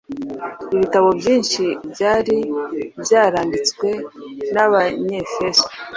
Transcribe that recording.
Ibitabo byinshi byari byaranditswe n’abanyefeso